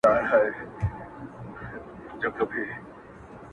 پنډ مه گوره، ايمان ئې گوره.